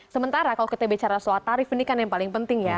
sementara kalau kita bicara soal tarif ini kan yang paling penting ya